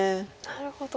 なるほど。